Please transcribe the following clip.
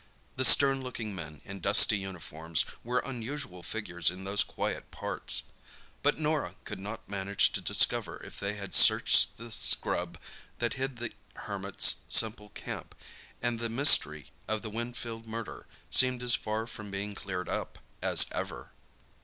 The stern looking men in dusty uniforms were unusual figures in those quiet parts. But Norah could not manage to discover if they had searched the scrub that hid the Hermit's simple camp; and the mystery of the Winfield murder seemed as far from being cleared up as ever.